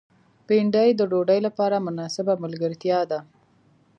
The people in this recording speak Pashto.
بېنډۍ د ډوډۍ لپاره مناسبه ملګرتیا ده